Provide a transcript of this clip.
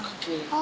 あ！